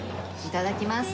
いただきます。